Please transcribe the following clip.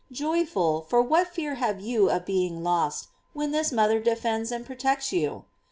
Joyful; for what fear have you of being lost when this mother defends and protects you?